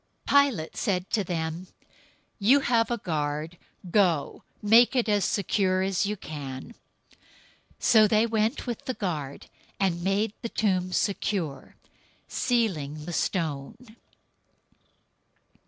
027:065 Pilate said to them, "You have a guard. Go, make it as secure as you can." 027:066 So they went with the guard and made the tomb secure, sealing the stone.